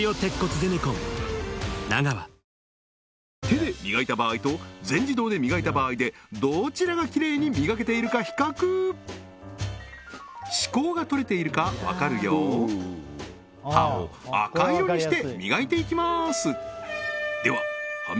手で磨いた場合と全自動で磨いた場合でどちらがきれいに磨けているか比較歯垢がとれているかわかるよう歯を赤色にして磨いていきます